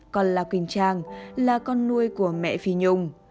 còn là quỳnh trang là con nuôi của mẹ phi nhung